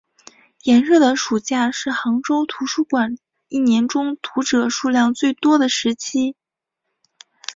炎热的暑期是杭州图书馆一年中读者数量最多的时期。